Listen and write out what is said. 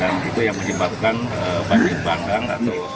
dan itu yang menyebabkan banjir bandang